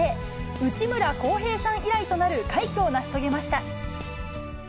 内村航平さん以来となる快挙を成し遂げました。